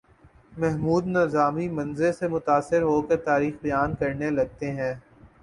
محمود نظامی منظر سے متاثر ہو کر تاریخ بیان کرنے لگتے ہیں